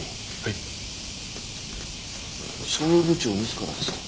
処遇部長自らですか？